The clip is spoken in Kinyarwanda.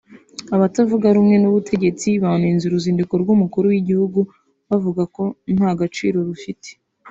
Abatavuga rumwe n’ubutegetsi banenze uruzinduko rw’umukuru w’igihugu bavuga ko nta gaciro rufite